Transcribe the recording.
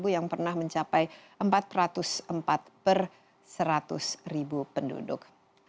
yang pernah mencapai empat ratus empat seratus penduduk